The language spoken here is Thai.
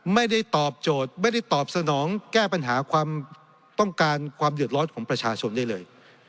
ไม่ได้ตอบโจทย์ไม่ได้ตอบสนองแก้ปัญหาความต้องการความเดือดร้อนของประชาชนได้เลย